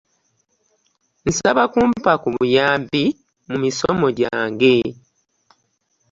Nsaba kumpa ku buyambi mu misomo gyange.